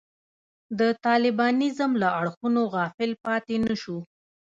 د طالبانیزم له اړخونو غافل پاتې نه شو.